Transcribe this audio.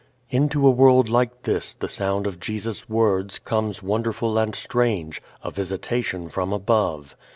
Into a world like this the sound of Jesus' words comes wonderful and strange, a visitation from above.